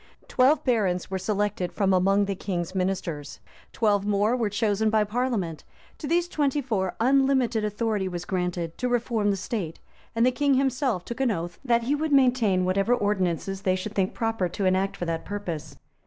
Twelve barons were selected from among the king's ministers; twelve more were chosen by parliament: to these twenty four unlimited authority was granted to reform the state; and the king himself took an oath, that he would maintain whatever ordinances they should think proper to enact for that purpose.